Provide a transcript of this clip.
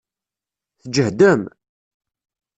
Tǧehdem?